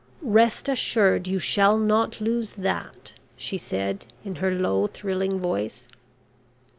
"Rest assured you shall not lose that," she said in her low thrilling voice.